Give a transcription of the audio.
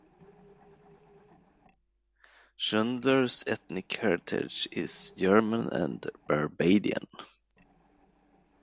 Schundler's ethnic heritage is German and Barbadian.